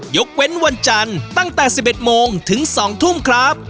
ยกเว้นวันจันทร์ตั้งแต่๑๑โมงถึง๒ทุ่มครับ